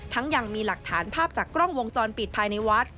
ยังมีหลักฐานภาพจากกล้องวงจรปิดภายในวัด